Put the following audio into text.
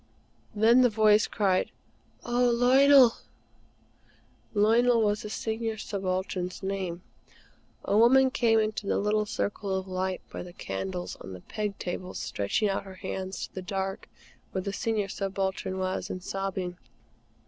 Then the voice cried: "Oh, Lionel!" Lionel was the Senior Subaltern's name. A woman came into the little circle of light by the candles on the peg tables, stretching out her hands to the dark where the Senior Subaltern was, and sobbing.